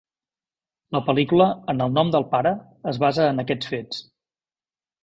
La pel·lícula "En el nom del pare" es basa en aquests fets.